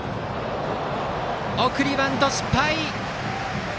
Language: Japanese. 送りバント失敗。